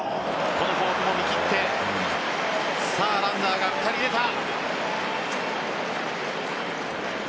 このフォークも見切ってランナーが２人出た。